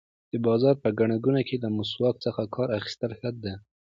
د بازار په ګڼه ګوڼه کې له ماسک څخه کار اخیستل ښه دي.